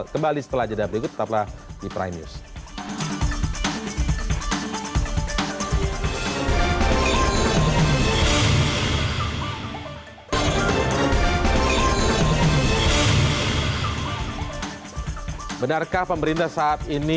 tidak ya pak emrus ya